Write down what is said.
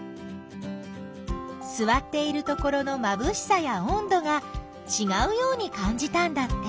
すわっているところのまぶしさやおんどがちがうようにかんじたんだって。